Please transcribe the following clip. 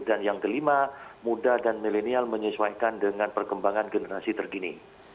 dan yang kelima muda dan milenial menyesuaikan dengan perkembangan generasi terkini